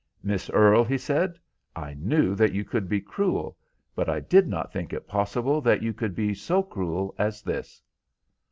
"Miss Earle," he said, "I knew that you could be cruel, but I did not think it possible that you could be so cruel as this."